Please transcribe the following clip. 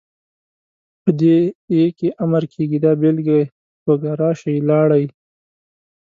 په دې ئ کې امر کيږي، دا بيلګې په توګه ، راشئ، لاړئ،